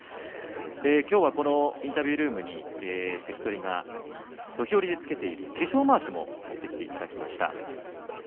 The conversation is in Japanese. インタビュールームに関取が土俵入りでつけている化粧まわしも持ってきていただきました。